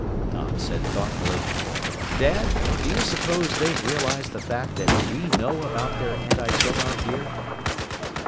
Tom said thoughtfully, "Dad, do you suppose they've realized the fact that we know about their antisonar gear?"